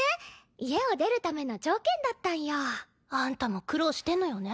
家を出るための条件だったんよ。あんたも苦労してんのよね。